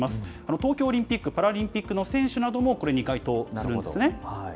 東京オリンピック・パラリンピックの選手などもこれに該当するんですね。